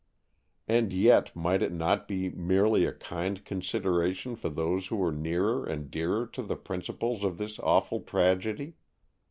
And yet might it not be merely a kind consideration for those who were nearer and dearer to the principals of this awful tragedy?